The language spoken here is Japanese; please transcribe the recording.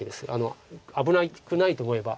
危なくないと思えば。